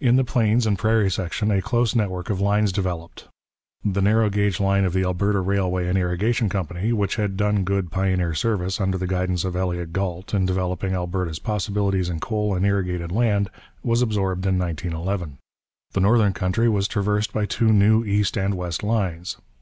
In the plains and prairie section a close network of lines developed. The narrow gauge line of the Alberta Railway and Irrigation Company, which had done good pioneer service, under the guidance of Elliott Galt, in developing Alberta's possibilities in coal and irrigated land, was absorbed in 1911. The northern country was traversed by two new east and west lines.